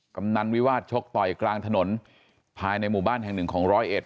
กำนันวิวาสชกต่อยกลางถนนภายในหมู่บ้านแห่งหนึ่งของร้อยเอ็ด